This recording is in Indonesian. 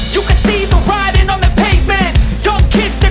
kok satu porsi sih